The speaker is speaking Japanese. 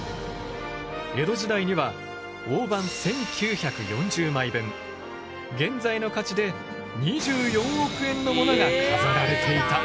江戸時代には大判現在の価値で２４億円のものが飾られていた。